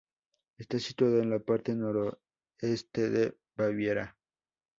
Está situada en la parte noroeste de Baviera.